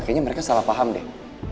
kayaknya mereka salah paham deh